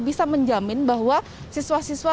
bisa menjamin bahwa siswa siswa